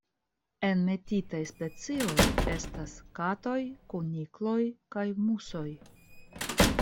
Enmetitaj specioj estas katoj, kunikloj kaj musoj.